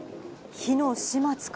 火の始末か？